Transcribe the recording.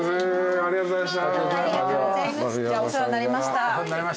ありがとうございます。